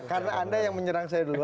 karena anda yang menyerang saya dulu